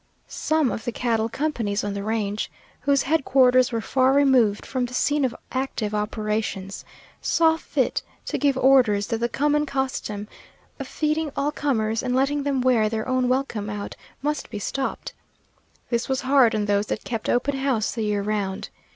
Some of the cattle companies on the range, whose headquarters were far removed from the scene of active operations, saw fit to give orders that the common custom of feeding all comers and letting them wear their own welcome out must be stopped. This was hard on those that kept open house the year round.